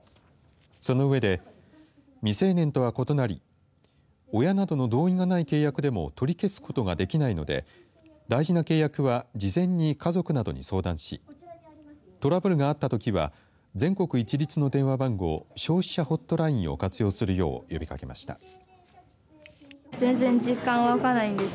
その上で、未成年とは異なり親などの同意がない契約でも取り消すことができないので大事な契約は事前に家族などに相談しトラブルがあったときは全国一律の電話番号消費者ホットラインを活用するよう呼びかけました。